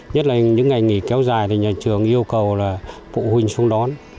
nhất là những ngày nghỉ kéo dài thì nhà trường yêu cầu là phụ huynh xuống đón